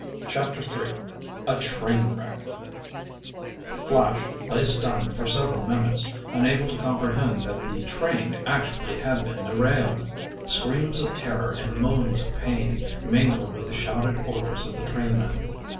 CHAPTER III A TRAIN WRECK Flash lay stunned for several minutes, unable to comprehend that the train actually had been derailed. Screams of terror and moans of pain mingled with the shouted orders of the trainmen.